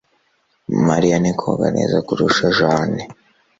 Mariya ni koga neza kurusha Jane